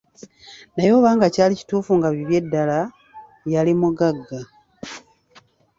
Naye oba nga kyali kituufu nga bibye ddala, yali mugagga.